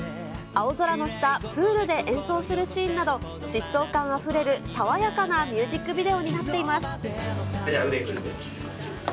青空の下、プールで演奏するシーンなど、疾走感あふれる爽やかなミュージックビデオになっています。